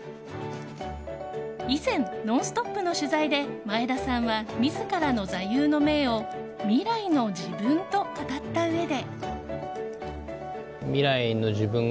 以前「ノンストップ！」の取材で眞栄田さんは自らの座右の銘を未来の自分と語ったうえで。